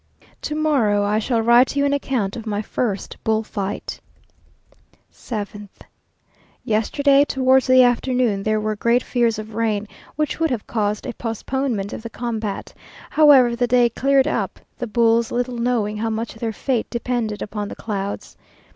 Tomorrow I shall write you an account of my first bull fight. 7th. Yesterday, towards the afternoon, there were great fears of rain, which would have caused a postponement of the combat; however, the day cleared up, the bulls little knowing how much their fate depended upon the clouds.